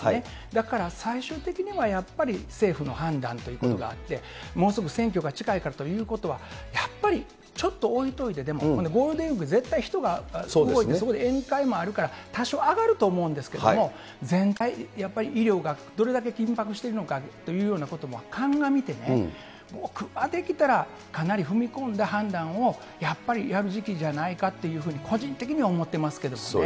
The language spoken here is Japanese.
だから、最終的にはやっぱり、政府の判断ということがあって、もうすぐ選挙が近いからということはやっぱりちょっと置いといて、でも、このゴールデンウィーク、絶対人が動いて、そこで宴会もあるから、多少、上がると思うんですけれども、全体、やっぱり医療がどれだけ緊迫しているのかというようなことも鑑みてね、僕はできたら、かなり踏み込んだ判断をやっぱりやる時期じゃないかというふうに、個人的には思ってますけどもね。